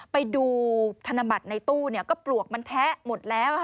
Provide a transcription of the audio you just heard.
ไปดูธนบัตรในตู้ก็ปลวกมันแทะหมดแล้ว